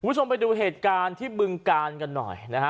คุณผู้ชมไปดูเหตุการณ์ที่บึงกาลกันหน่อยนะฮะ